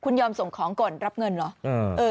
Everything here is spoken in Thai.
คุณยอมส่งของก่อนรับเงินเหรอ